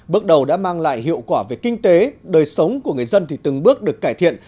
bước đầu đã mang lại hiệu quả về kinh tế đời sống của người dân thì từng bước được cải thiện